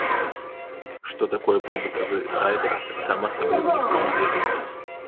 Што такое побытавы райдар, таксама асабліва ніхто не ведаў.